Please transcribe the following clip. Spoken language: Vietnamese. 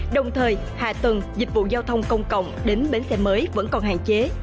đồng thời hạ tầng dịch vụ giao thông công cộng đến bến xe mới vẫn còn hạn chế